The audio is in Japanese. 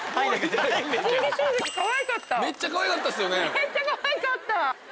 めっちゃかわいかったっすよね。